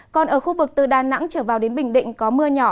còn ở khu vực từ đà nẵng trở vào đến bình định có mưa nhỏ